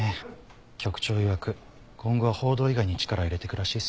局長いわく今後は報道以外に力入れてくらしいっすよ。